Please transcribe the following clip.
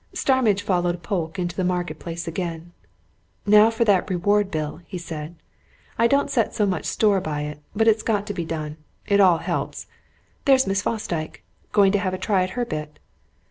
Starmidge followed Polke into the Market Place again. "Now for that reward bill," he said. "I don't set so much store by it, but it's got to be done. It all helps. There's Miss Fosdyke going to have a try at her bit."